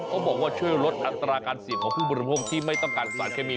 บอกว่าช่วยลดอัตราการเสี่ยงของผู้บริโภคที่ไม่ต้องการสารเคมี